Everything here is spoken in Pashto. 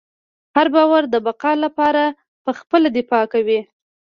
هر باور د بقا لپاره پخپله دفاع کوي.